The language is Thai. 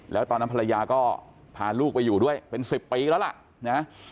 แล้วตอนนั้นภรรยาก็พาลูกไปอยู่ด้วยเป็น๑๐ปีแล้วล่ะนะ